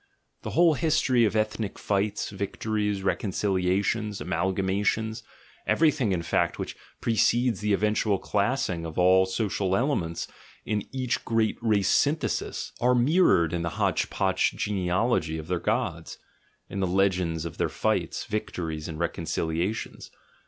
(The whole history of ethnic fights, victories, reconciliations, amalgamations, every thing, in fact, which precedes the eventual classing of all the social elements in each great race svnthesis, are mir rored in the hotch potch genealogy of their gods, in the legends of their fights, victories, and reconciliations.